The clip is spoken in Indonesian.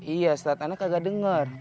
iya ustadz aneh kagak denger